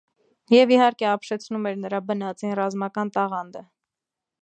Եվ, իհարկե, ապշեցնում էր նրա բնածին ռազմական տաղանդը։